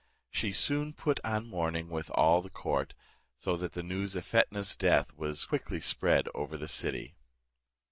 She soon put on mourning with all the court; so that the news of Fetnah's death was quickly spread over the city.